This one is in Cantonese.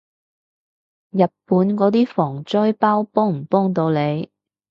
日本嗰啲防災包幫唔幫到你？